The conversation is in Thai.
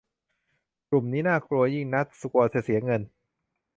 กลุ่มนี้น่ากลัวยิ่งนัก กลัวจะเสียเงิน